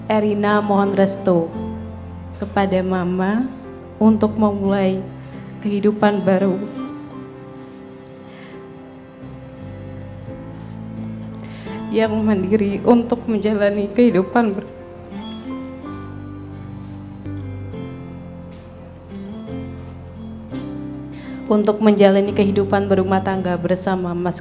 erina mohon restu kepada mama untuk memulai kehidupan baru yang mandiri untuk menjalani kehidupan berumah tangga bersama mas kaisang